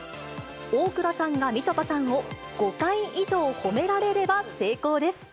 大倉さんがみちょぱさんを５回以上、褒められれば成功です。